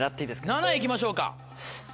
７位行きましょうか。